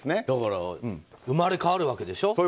だから生まれ変わるわけでしょ。